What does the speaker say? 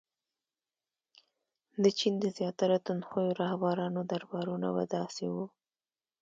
• د چین د زیاتره تندخویو رهبرانو دربارونه به داسې وو.